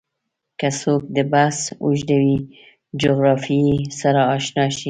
که څوک د بحث اوږدې جغرافیې سره اشنا شي